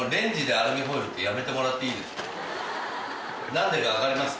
何でか分かります？